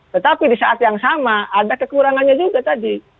tetapi di saat yang sama ada kekurangannya juga tadi